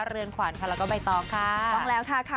เรือนขวัญค่ะแล้วก็ใบตองค่ะต้องแล้วค่ะค่ะ